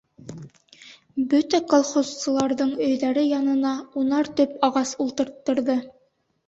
Бөтә колхозсыларҙың өйҙәре янына унар төп ағас ултырттырҙы.